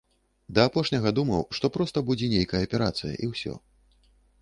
Да апошняга думаў, што проста будзе нейкая аперацыя, і ўсё.